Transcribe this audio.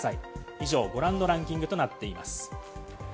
以上、ご覧のランキングとなっています。